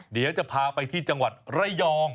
เดี๋ยวจะพาไปที่จังหวัดระยอง